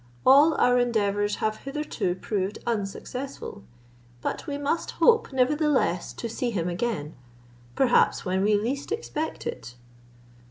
All our endeavours have hitherto proved unsuccessful, but we must hope nevertheless to see him again, perhaps when we least expect it."